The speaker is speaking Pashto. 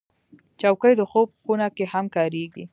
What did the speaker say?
چوکۍ د خوب خونه کې هم کارېږي.